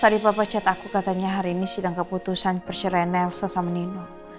tadi papa chat aku katanya hari ini sedang keputusan persyirahin elsa sama nino